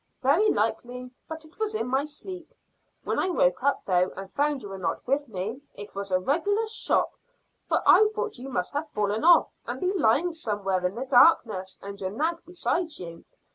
'" "Very likely, but it was in my sleep. When I woke up, though, and found you were not with me, it was a regular shock, for I thought you must have fallen off and be lying somewhere in the darkness and your nag beside you.